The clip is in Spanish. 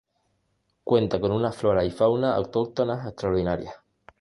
Cuenta con una flora y fauna autóctonas extraordinarias.